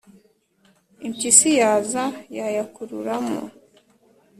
impyis yaza, yayakurura mo,